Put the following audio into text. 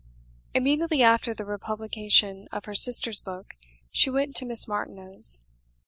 Immediately after the republication of her sisters' book she went to Miss Martineau's.